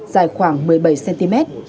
dài khoảng một mươi bảy cm